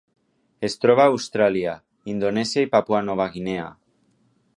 Es troba a Austràlia, Indonèsia i Papua Nova Guinea.